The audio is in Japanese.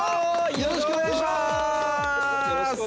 ◆よろしくお願いします。